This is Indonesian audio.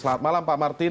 selamat malam pak martin